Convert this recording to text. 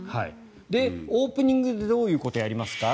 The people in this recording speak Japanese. オープニングにどういうことをやりますか。